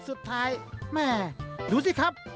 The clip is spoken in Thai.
สวัสดีครับ